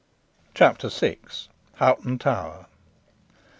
CHAPTER VI. HOGHTON TOWER.